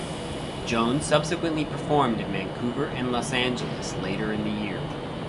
Jones subsequently performed in Vancouver and Los Angeles later in the year.